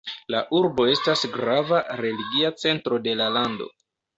La urbo estas grava religia centro de la lando.